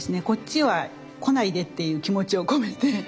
こっちは来ないでっていう気持ちを込めて。